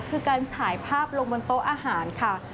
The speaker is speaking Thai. คือการฉายภาพลงบนโต๊ะอาหารค่ะ